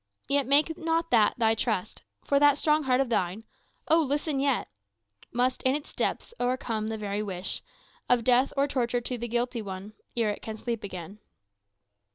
Yet make not that thy trust; For that strong heart of thine oh, listen yet! Must in its depths o'ercome the very wish Of death or torture to the guilty one, Ere it can sleep again."